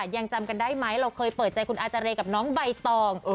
ยังจำกันได้ไหมเราเคยเปิดใจคุณอาจารย์กับน้องใบตอง